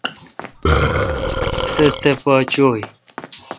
تس تھہ پہ چو°ی۔